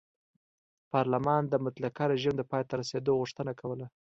پارلمان د مطلقه رژیم د پای ته رسېدو غوښتنه کوله.